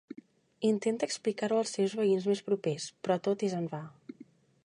Intenta explicar-ho als seus veïns més propers però tot és en va.